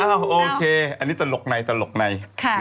อ้าวโอเคอันนี้ตลกไหนตลกไหน